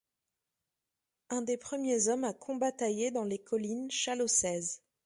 Un des premiers hommes à combatailler dans les collines challossaises.